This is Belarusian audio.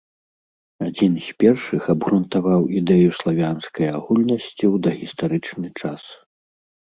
Адзін з першых абгрунтаваў ідэю славянскай агульнасці ў дагістарычны час.